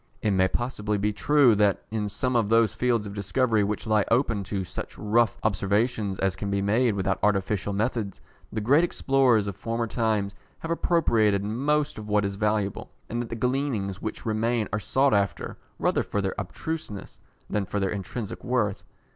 It may possibly be true that, in some of those fields of discovery which lie open to such rough observations as can be made without artificial methods, the great explorers of former times have appropriated most of what is valuable, and that the gleanings which remain are sought after, rather for their abstruseness, than for their intrinsic worth.